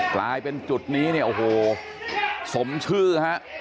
กลายเป็นจุดนี้เนี่ยโอ้โหสมชื่อฮะ